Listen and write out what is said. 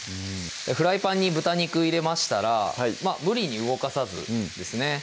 フライパンに豚肉入れましたら無理に動かさずですね